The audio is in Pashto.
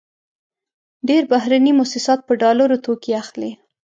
ډېری بهرني موسسات په ډالرو توکې اخلي.